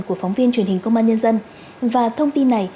cảm ơn quý vị đã xem thêm video